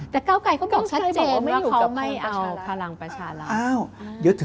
แต่ก้าวไกรเขาบอกชัดเจนว่าเขาไม่เอาพลังประชารัฐ